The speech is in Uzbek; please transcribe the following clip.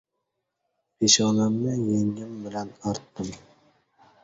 Peshonamni yengim bilan artdim.